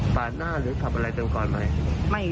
สาดหน้าหรือขับอะไรเตือนก่อนไหม